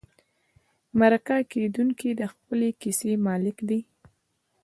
مرکه کېدونکی د خپلې کیسې مالک دی.